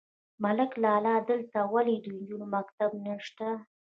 _ملک لالا! دلته ولې د نجونو مکتب نشته؟